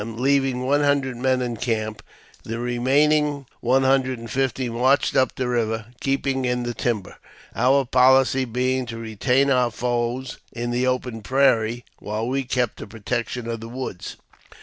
Leaving one hundred men in camp, the remaining one hmidred and fifty marched up the river, keeping in the timber ; our policy being to retain our foes in the open prairie, while we kept the protection of the woods.